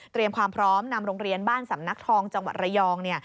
ความพร้อมนำโรงเรียนบ้านสำนักทองจังหวัดระยอง